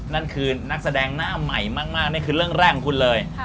นั่นคือนักแสดงหน้าใหม่มากนี่คือเรื่องแรกของคุณเลย